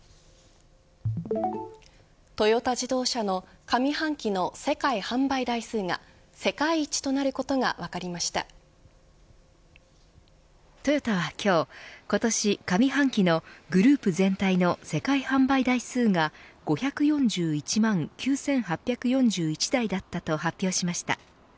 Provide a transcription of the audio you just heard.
トヨタ自動車の上半期の世界販売台数が世界一となることがトヨタは今日今年上半期のグループ全体の世界販売台数が５４１万９８４１台だったと発表しました。